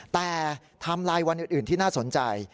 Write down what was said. แต่ทำลายวันอื่นที่น่าสนใจ